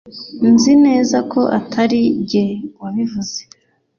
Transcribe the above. Nzi neza ko atari njye wabivuze